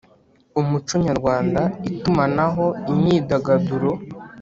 umuco nyarwanda, itumanaho, imyidagaduro